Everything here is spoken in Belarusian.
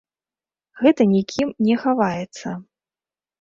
Гэта нікім не хаваецца.